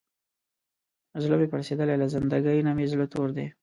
زړه مې پړسېدلی، له زندګۍ نه مې زړه تور دی.